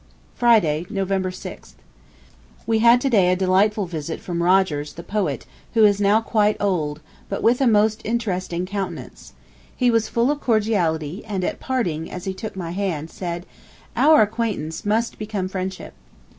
Friday, November 6th. ... We had to day a delightful visit from Rogers, the Poet, who is now quite old, but with a most interesting countenance. He was full of cordiality, and, at parting, as he took my hand, said: "Our acquaintance must become friendship."